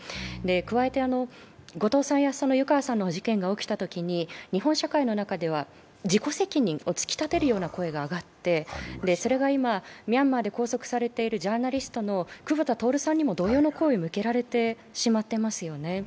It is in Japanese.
加えて後藤さんや湯川さんの事件が起きたときに日本社会の中では自己責任を突き立てるような声が上ってそれか今、ミャンマーで拘束されているジャーナリストの久保田徹さんにも同様の声が向けられていますよね。